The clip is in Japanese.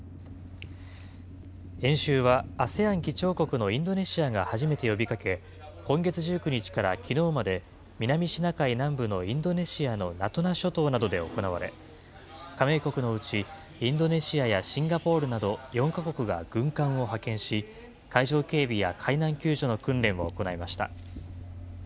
演習はＡＳＥＡＮ議長国のインドネシアが初めて呼びかけ、今月１９日からきのうまで、南シナ海南部のインドネシアのナトゥナ諸島などで行われ、加盟国のうちインドネシアやシンガポールなど、４か国が軍艦を派遣し、海上警備や海難救助の訓練を行いました。